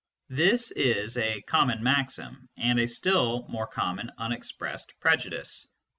j This is a common maxim, and a still more common unex pressed prejudice.